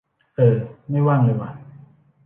เออ ไม่ว่างเลยว่ะ